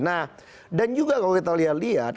nah dan juga kalau kita lihat lihat